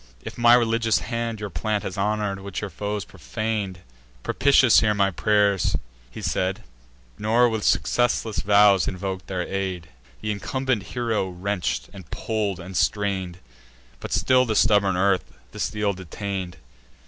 If my religious hand Your plant has honour'd, which your foes profan'd, Propitious hear my pious pray'r!" He said, Nor with successless vows invok'd their aid. Th' incumbent hero wrench'd, and pull'd, and strain'd; But still the stubborn earth the steel detain'd.